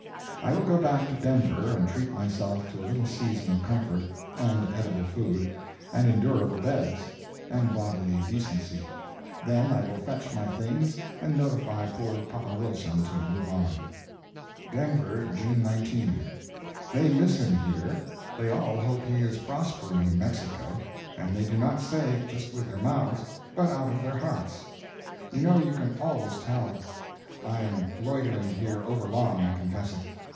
I will go hack to Denver and treat myself to a little season of comfort, and edible food, and endurable beds, and bodily decency; then I will fetch my things, and notify poor papa Wilson to move on. DENVER, June 19. They miss him here. They all hope he is prospering in Mexico, and they do not say it just with their mouths, but out of their hearts. You know you can always tell. I am loitering here overlong, I confess it.